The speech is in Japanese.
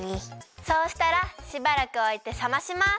そうしたらしばらくおいてさまします。